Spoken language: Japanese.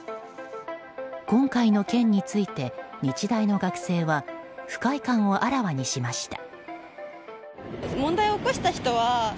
今回の件について日大の学生は不快感をあらわにしました。